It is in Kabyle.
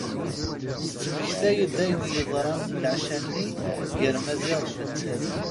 Tettmektay-d ayen i yeḍran leɛca-nni gar Maziɣ d nettat.